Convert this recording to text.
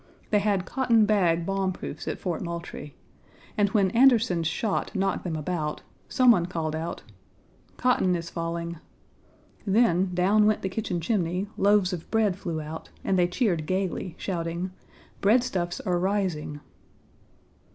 They had cotton bag bomb proofs at Fort Moultrie, and when Anderson's shot knocked them about some one called out "Cotton is falling." Then down went the kitchen chimney, loaves of Page 43 bread flew out, and they cheered gaily, shouting, "Breadstuffs are rising."